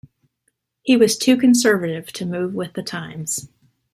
He was too conservative to move with the times.